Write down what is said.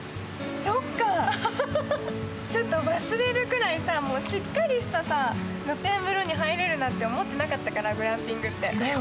そっか、ちょっと忘れるぐらいしっかりした露天風呂に入れるなんて思ってなかったから、グランピングで。